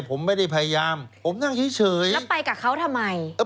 ผมไม่ได้พยายามผมนั่งเฉยแล้วไปกับเขาทำไม